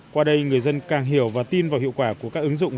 qua đây người dân càng hiểu và tin vào hiệu quả của các ứng dụng